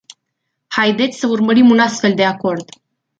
Haideți să urmărim un astfel de acord.